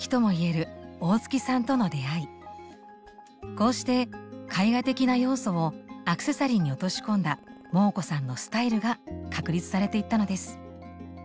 こうして絵画的な要素をアクセサリーに落とし込んだモー子さんのスタイルが確立されていったのです。